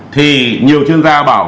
thì nhiều chuyên gia bảo